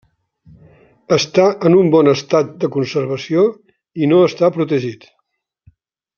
Està en un bon estat de conservació i no està protegit.